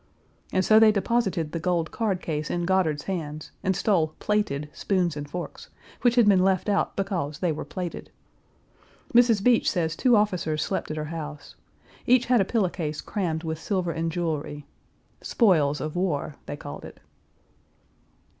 And so they deposited the gold card case in Godard's hands, and stole plated spoons and forks, which had been left out because they were plated. Mrs. Beach says two officers slept at her house. Each had a pillow case crammed with silver and jewelry "spoils of war," they called it.